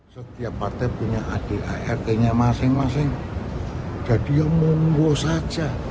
setiap partai punya adik adiknya masing masing jadi ya munggo saja